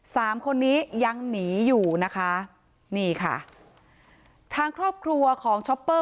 สามคนนี้ยังหนีอยู่นะคะนี่ค่ะทางครอบครัวของช็อปเปอร์